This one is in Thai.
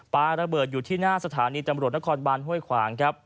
ปลาระเบิดอยู่ที่หน้าสถานีตำรวจนครบานห้วยขวางครับ